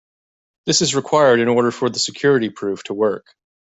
This is required in order for the security proof to work.